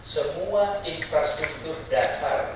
semua infrastruktur dasar